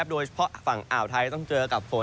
โดยเฉพาะฝั่งอ่าวไทยต้องเจอกับฝน